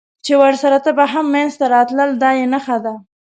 چې ورسره تبه هم منځته راتلل، دا یې نښه ده.